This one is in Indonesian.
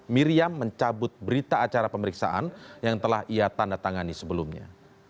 miriam mencabut berita acara pemeriksaan yang telah ia tanda tangani sebelumnya